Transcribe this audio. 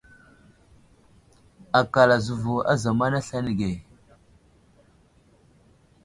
Akal azəvo a zamana aslane ge.